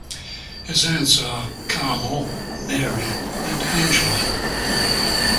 His aunts are: Carmel, Mary and Angela.